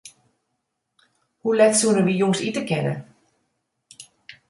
Hoe let soenen wy jûns ite kinne?